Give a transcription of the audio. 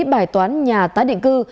bài toán nhà tái định cư